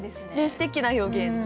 すてきな表現。